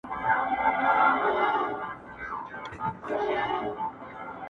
تر کله به ژړېږو ستا خندا ته ستا انځور ته.